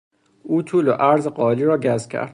او طول و عرض قالی را گز کرد.